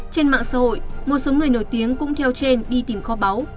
trên mạng xã hội một số người nổi tiếng cũng theo trên đi tìm kho báu